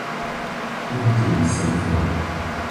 Er hinterließ seine Frau.